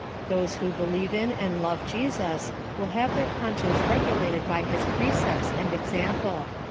Those who believe in and love Jesus, will have their conscience regulated by his precepts and example.